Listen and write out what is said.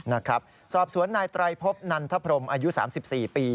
นะครับสอบสวนนายไตรพบนันทพรมอายุ๓๔ปี